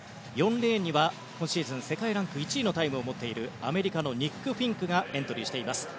４レーンには今シーズン世界ランク１位のタイムを持っているアメリカのニック・フィンクがエントリーしています。